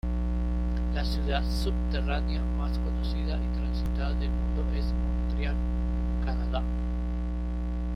La ciudad subterránea más conocida y transitada del mundo es Montreal, Canadá.